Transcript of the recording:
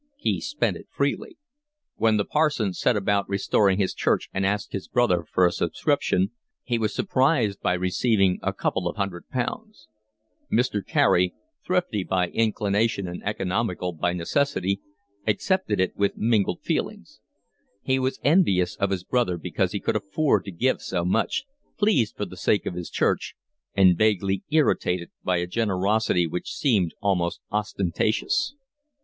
He spent it freely. When the parson set about restoring his church and asked his brother for a subscription, he was surprised by receiving a couple of hundred pounds: Mr. Carey, thrifty by inclination and economical by necessity, accepted it with mingled feelings; he was envious of his brother because he could afford to give so much, pleased for the sake of his church, and vaguely irritated by a generosity which seemed almost ostentatious.